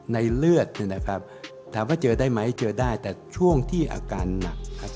เลือดเนี่ยนะครับถามว่าเจอได้ไหมเจอได้แต่ช่วงที่อาการหนักครับ